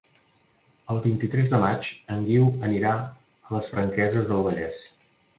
El vint-i-tres de maig en Guiu anirà a les Franqueses del Vallès.